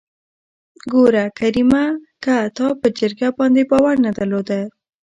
ګوره کريمه که تا په جرګه باندې باور نه درلوده.